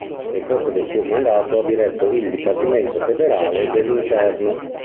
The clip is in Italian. Nel corso del suo mandato ha diretto il Dipartimento federale dell'interno.